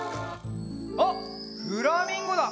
あっフラミンゴだ！